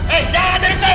hey jangan jadi saya kamu